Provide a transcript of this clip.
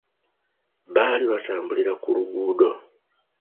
Baali batambulira ku luguudo.